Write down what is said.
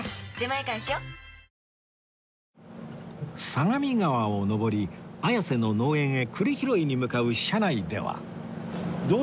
相模川を上り綾瀬の農園へ栗拾いに向かう車内では